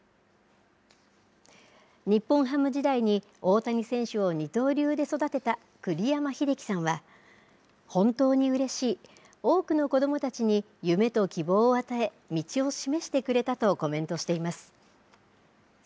日本ハム時代に大谷選手を二刀流で育てた栗山英樹さんは、本当にうれしい、多くの子どもたちに夢と希望を与え、道を示してくれたとコメントしています。